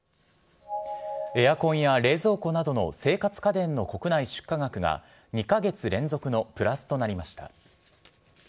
エアコンや冷蔵庫などの生活家電の国内出荷額が、２か月連続のプラスとなりました。